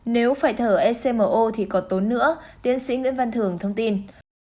nếu phải thở smo thì có tốn nữa tiến sĩ nguyễn văn thường thông tin